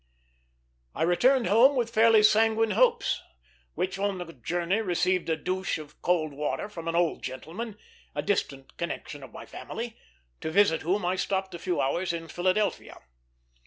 I returned home with fairly sanguine hopes, which on the journey received a douche of cold water from an old gentleman, a distant connection of my family, to visit whom I stopped a few hours in Philadelphia.